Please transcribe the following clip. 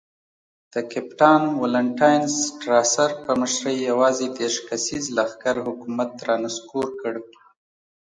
د کپټان والنټاین سټراسر په مشرۍ یوازې دېرش کسیز لښکر حکومت را نسکور کړ.